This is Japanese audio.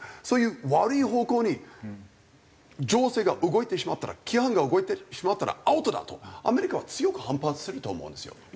そういう悪い方向に情勢が動いてしまったら規範が動いてしまったらアウトだとアメリカは強く反発すると思うんですよ。